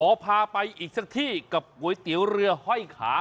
พอพาไปอีกท่ามีก๋วยเตี๋วเรือห้อยขา